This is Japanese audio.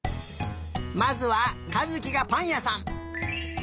まずはかずきがぱんやさん。